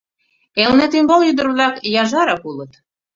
Элнетӱмбал ӱдыр-влак яжарак улыт.